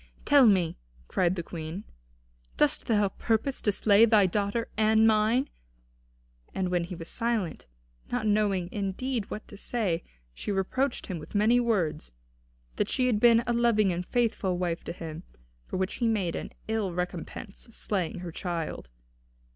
"Tell me," cried the Queen, "dost thou purpose to slay thy daughter and mine?" And when he was silent, not knowing, indeed, what to say, she reproached him with many words, that she had been a loving and faithful wife to him, for which he made an ill recompense slaying her child.